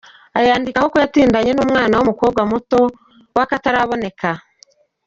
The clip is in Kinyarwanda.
Ayandikaho ko yatindanye n’umwana w’umukobwa muto w’akataraboneka.